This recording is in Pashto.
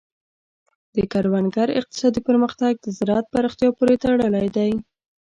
د کروندګر اقتصادي پرمختګ د زراعت پراختیا پورې تړلی دی.